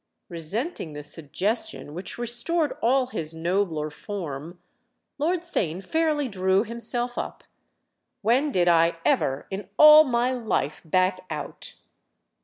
Resenting the suggestion, which restored all his nobler form, Lord Theign fairly drew himself up. "When did I ever in all my life back out?"